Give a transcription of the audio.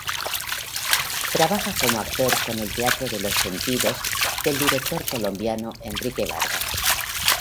Trabaja como actor con el Teatro de los Sentidos del director colombiano Enrique Vargas.